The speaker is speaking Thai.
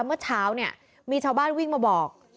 เมื่อเช้าเนี่ยมีชาวบ้านวิ่งมาบอก